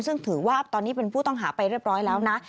ซึ่งถือว่าตอนนี้เป็นผู้ต้องหาไปเรียบร้อยแล้วนะ